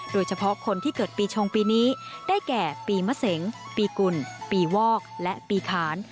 โดยเฉพาะคนที่เกิดปีชงปีนี้ได้แก่ปีมะเสงปีกุลปีวอกและปีขาน